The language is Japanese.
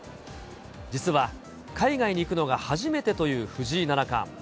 実は海外に行くのが初めてという藤井七冠。